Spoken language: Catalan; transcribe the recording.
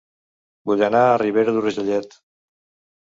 Vull anar a Ribera d'Urgellet